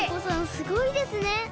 すごいですね！